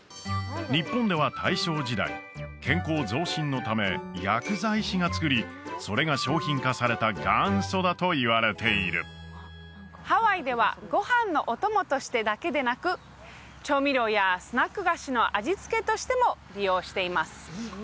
日本では大正時代健康増進のため薬剤師が作りそれが商品化された元祖だといわれているハワイではご飯のお供としてだけでなく調味料やスナック菓子の味付けとしても利用しています